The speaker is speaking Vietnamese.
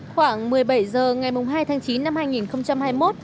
khoảng một mươi bảy h ngày hai tháng chín năm hai nghìn hai mươi một